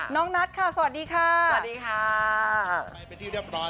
น้องนัทค่ะสวัสดีค่ะ